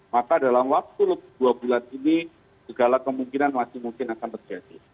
maka dalam waktu dua bulan ini segala kemungkinan masih mungkin akan terjadi